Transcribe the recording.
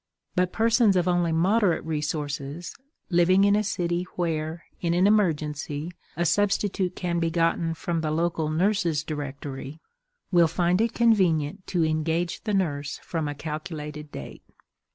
But persons of only moderate resources, living in a city where, in an emergency, a substitute can be gotten from the local "Nurses' Directory," will find it convenient to engage the nurse from the calculated date.